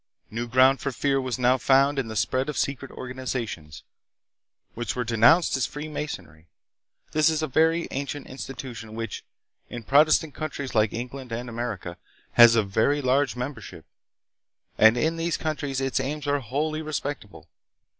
New ground for fear was now found hi the spread of secret organizations, which were denounced as Free Masonry. This is a very ancient institution which, in Protestant countries like England and America, has a very large membership, and in these countries its aims are wholly respectable.